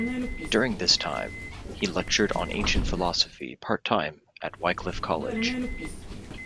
During this time he lectured on ancient philosophy part-time at Wycliffe College.